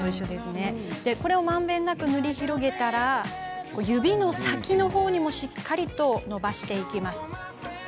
まんべんなく塗り広げたら指の先のほうにもしっかり伸ばしていきます。